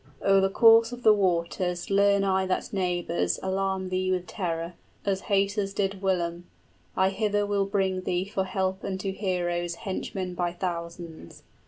O'er the course of the waters Learn I that neighbors alarm thee with terror, As haters did whilom, I hither will bring thee For help unto heroes henchmen by thousands.